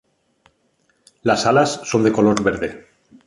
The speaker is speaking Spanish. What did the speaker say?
Las alas son de color verde.